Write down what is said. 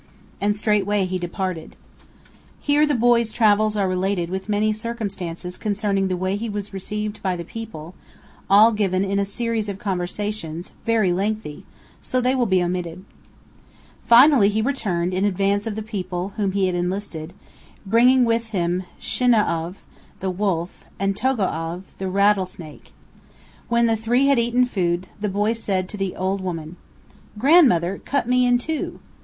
And straightway he departed. (Here the boy's travels are related with many circumstances concerning the way he was received by the people, all given in a series of conversations, very lengthy; so they will be omitted.) powell canyons 189.jpg TERRACE FIREPLACE AND CHIMNEY OF SHUMOPAVI. 306 CANYONS OF THE COLORADO. Finally he returned in advance of the people whom he had enlisted, bringing with him Shinau'av, the Wolf, and Togo'av, the Rattlesnake. When the three had eaten food, the boy said to the old woman: "Grandmother, cut me in two!"